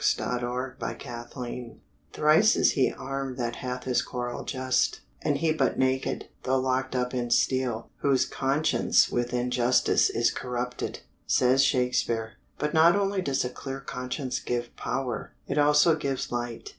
_ THE INNER LIGHT "Thrice is he armed that hath his quarrel just, And he but naked, though locked up in steel, Whose conscience with injustice is corrupted," says Shakespeare. But not only does a clear conscience give power; it also gives light.